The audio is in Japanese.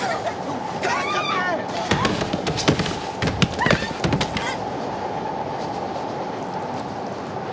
あっうっ。